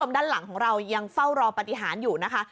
ด้านหลังของเรายังเฝ้ารอปฏิหารอยู่นะคะ